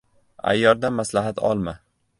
• Ayyordan maslahat olma.